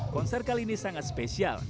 konser kali ini sangat spesial